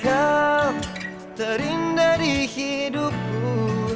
kau terindah di hidupku